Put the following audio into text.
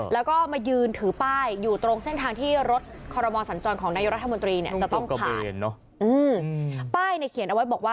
แล้วก็มายืนถือป้ายภาคที่